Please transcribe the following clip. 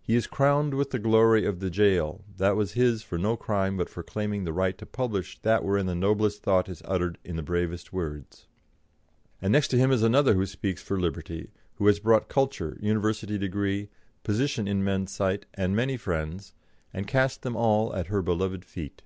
He is crowned with the glory of the jail, that was his for no crime but for claiming the right to publish that wherein the noblest thought is uttered in the bravest words. And next to him is another who speaks for liberty, who has brought culture, university degree, position in men's sight, and many friends, and cast them all at her beloved feet.